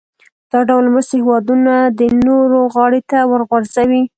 دا ډول مرستې هېوادونه د نورو غاړې ته ورغورځوي.